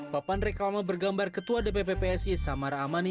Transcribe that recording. papan reklama bergambar ketua dpp psi samara amani